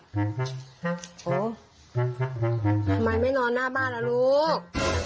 ทำไมไม่นอนหน้าบ้านละลูก